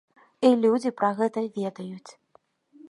І людзі пра гэта ведаюць!